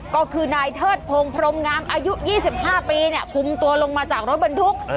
ก็คือนายเทิดพงศ์พรมงามอายุ๒๕ปีคุมตัวลงมาจากรถบรรทุก